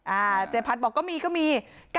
อ่าเจ๊พัดบอกก็มีก็มี๙๓๐๔๒๒